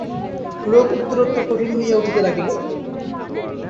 রোগ উত্তরোত্তর কঠিন হইয়া উঠিতে লাগিল।